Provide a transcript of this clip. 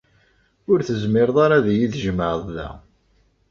Ur tezmireḍ ara ad iyi-tjemɛeḍ da.